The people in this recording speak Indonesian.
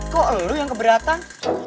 kok elu yang keberatan